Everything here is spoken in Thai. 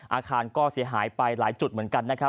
อาคารก็เสียหายไปหลายจุดเหมือนกันนะครับ